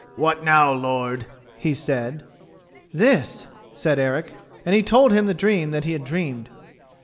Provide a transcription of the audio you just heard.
"What now, lord?" he said. "This," said Eric, and he told him the dream that he had dreamed.